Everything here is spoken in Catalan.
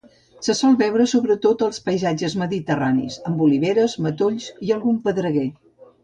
Se sol veure sobretot als paisatges mediterranis, amb oliveres, matolls i algun pedreguer.